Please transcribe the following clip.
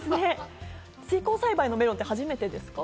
水耕栽培のメロンって初めてですか？